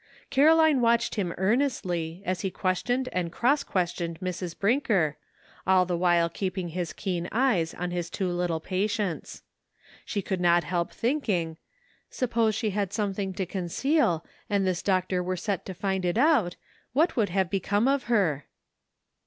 Caroline watched him earnestly as he ques tioned and cross questioned Mrs. Brinker, all the while keeping his keen eyes on his two lit tle patients. She could not help thinking, "Suppose she had something to conceal, and this doctor were set to find it out, what would have become of her